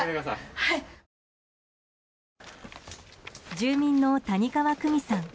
住民の谷川久美さん